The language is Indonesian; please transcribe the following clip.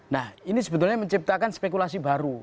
nah ini sebetulnya menciptakan spekulasi baru